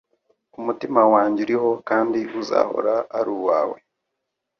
Umutima wanjye uriho kandi uzahora ari uwawe